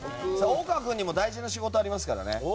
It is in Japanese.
大河君にも大事な仕事がありますからね。